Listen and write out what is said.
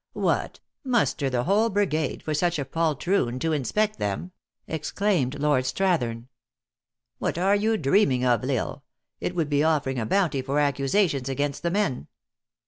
" What ! muster the whole brigade for such a pol troon to inspect them !" exclaimed Lord Strathern. " What are you dreaming of, L Isle ? It would be offering a bounty for accusations against the men.